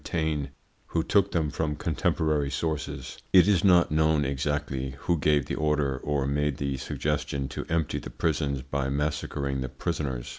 Taine, who took them from contemporary sources. It is not known exactly who gave the order or made the suggestion to empty the prisons by massacring the prisoners.